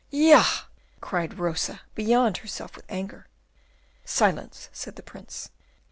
"Yah!" cried Rosa, beyond herself with anger. "Silence!" said the Prince.